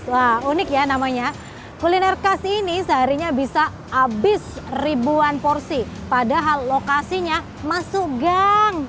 wah unik ya namanya kuliner khas ini seharinya bisa habis ribuan porsi padahal lokasinya masuk gang